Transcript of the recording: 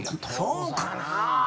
そうかな。